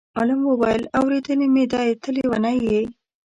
عالم وویل: اورېدلی مې دی ته لېونی یې.